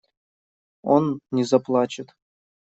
Он не заплачет.